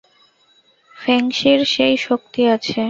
ফেংশির সেই শক্তি আছে?